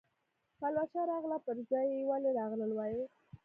پلوشه راغله پر ځای ولې راغلل وایاست.